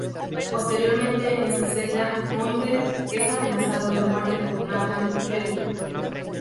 Posteriormente en su celda Mohinder es amenazado de muerte por Nathan Petrelli.